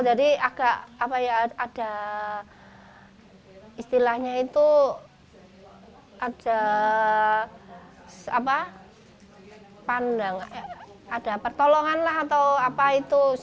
jadi ada istilahnya itu ada pertolongan lah atau apa itu